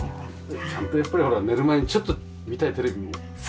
ちゃんとやっぱりほら寝る前にちょっと見たいテレビもね。